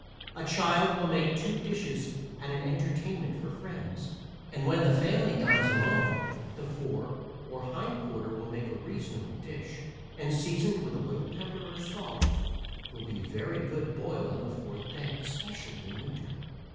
A child will make two dishes at an entertainment for friends, and when the family dines alone, the fore or hind quarter will make a reasonable dish, and seasoned with a little pepper or salt, will be very good boiled on the fourth day, especially in winter.